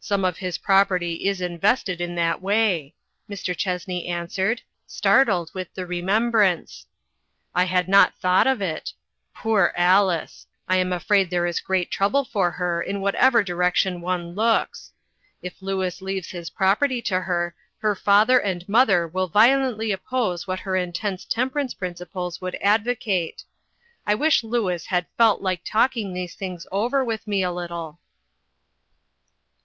"Some of his property is invested in that way," Mr. Chessney answered, startled with the remembrance. "I had not thought of it. Poor Alice ! I am afraid there is great trouble for her in whatever direction one looks. If Louis leaves his property to her, her father and mother will violently oppose what her intense temperance principles would advocate. I wish Louis had felt like talking these things over with me a little."